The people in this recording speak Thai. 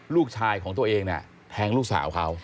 ลูกชายของตัวเองเนี่ยแทงลูกสาวเขา